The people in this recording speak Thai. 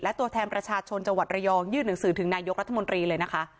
และตัวแทนประชาชนจังหวัดระยองยื่นหนังสือถึงนายกรัฐมนตรีเลยนะคะ